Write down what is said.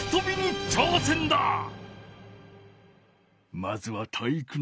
まずは体育ノ